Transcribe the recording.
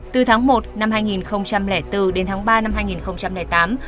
từ tháng một năm hai nghìn bốn đến tháng ba năm hai nghìn tám